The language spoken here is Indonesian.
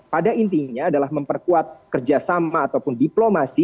pada intinya adalah memperkuat kerjasama ataupun diplomasi